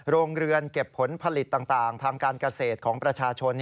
โรงเรือนเก็บผลผลิตต่างทางการเกษตรของประชาชน